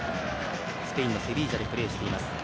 スペインのセヴィージャでプレーしています。